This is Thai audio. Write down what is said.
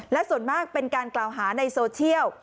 และส่วนมากเป็นการกล่าวหาในโซเชียล